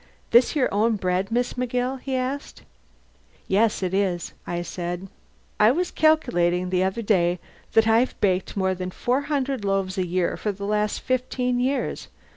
"This your own bread, Miss McGill?" he asked. "Yes," I said. "I was calculating the other day that I've baked more than 400 loaves a year for the last fifteen years.